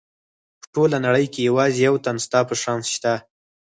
په ټوله نړۍ کې یوازې یو تن ستا په شان شته.